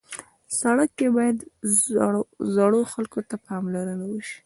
سړک کې باید زړو خلکو ته پاملرنه وشي.